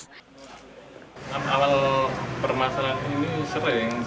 awal permasalahan ini sering